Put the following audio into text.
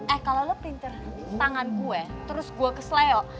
eh kalau lo pelintir tangan gue terus gue kesel ya